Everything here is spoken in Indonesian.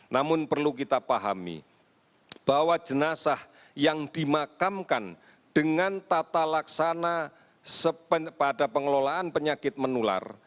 namun perlu kita pahami bahwa jenazah yang dimakamkan dengan tata laksana pada pengelolaan penyakit menular